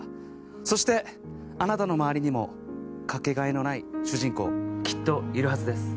そしてあなたの周りにもかけがえのない主人公きっといるはずです。